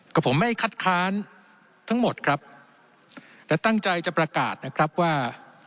กับผมไม่คัดค้านทั้งหมดครับและตั้งใจจะประกาศนะครับว่า